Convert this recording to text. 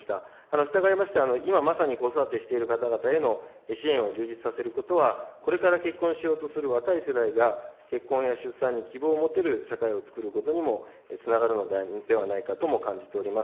したがいまして、今、まさに子育てしている方々への支援を充実させることは、これから結婚しようとする若い世代が、結婚や出産に希望を持てる社会を作ることにもつながるのではないかとも感じております。